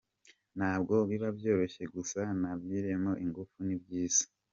Ntabwo biba byoroshye gusa nashyiremo ingufu ni byiza”.